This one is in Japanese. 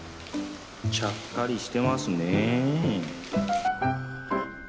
ちゃっかりしてますね。